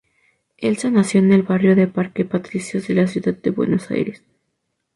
Elsa nació en el barrio de Parque Patricios de la ciudad de Buenos Aires.